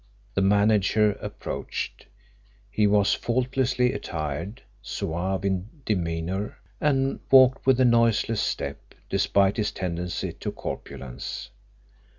The manager approached. He was faultlessly attired, suave in demeanour, and walked with a noiseless step, despite his tendency to corpulence.